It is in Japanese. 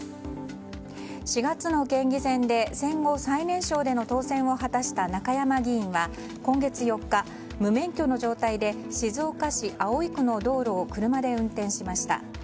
４月の県議選で戦後最年少での当選を果たした中山真珠議員は今月４日、無免許の状態で静岡市葵区の道路を車で運転しました。